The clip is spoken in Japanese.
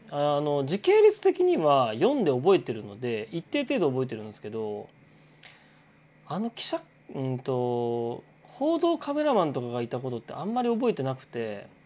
時系列的には読んで覚えてるので一定程度覚えてるんですけどあの報道カメラマンとかがいたことってあんまり覚えてなくて。